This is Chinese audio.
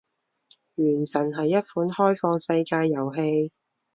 《原神》是一款开放世界游戏。